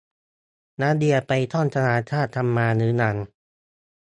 นักเรียนไปท่องตารางธาตุกันมาหรือยัง